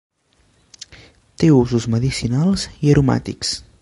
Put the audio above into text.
Té usos medicinals i aromàtics.